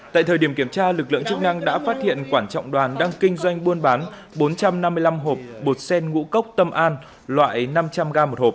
tại thời điểm kiểm tra lực lượng chức năng đã phát hiện quản trọng đoàn đang kinh doanh buôn bán bốn trăm năm mươi năm hộp bột sen ngũ cốc tâm an loại năm trăm linh g